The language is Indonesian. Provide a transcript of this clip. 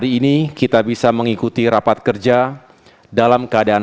assalamu alaikum warahmatullahi wabarakatuh